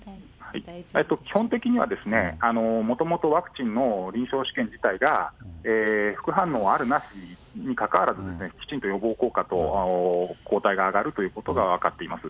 基本的には、もともとワクチンの臨床試験自体が、副反応あるなしにかかわらず、きちんと予防効果と、抗体が上がるということが分かっています。